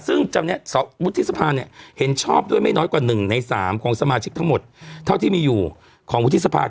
ซึ่งบุฏิศภาพเห็นชอบด้วยไม่น้อยกว่า๑ใน๓ของสมาชิกทั้งหมดเท่าที่มีอยู่ของบุฏิศภาพ